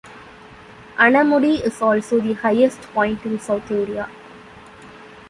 Anamudi is also the highest point in South India.